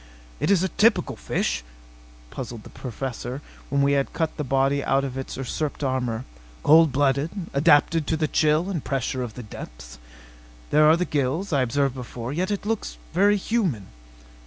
"It is a typical fish," puzzled the Professor when we had cut the body out of its usurped armor. "Cold blooded, adapted to the chill and pressure of the deeps. There are the gills I observed before ... yet it looks very human."